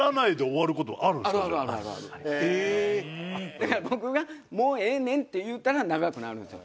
だから僕が「もうええねん！」って言うたら長くなるんですよ。